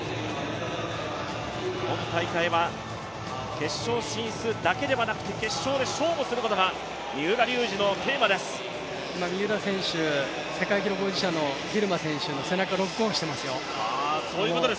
今大会は決勝進出だけではなく、決勝で勝負することが三浦選手、世界記録保持者のギルマ選手の背中、ロックオンしていますよ。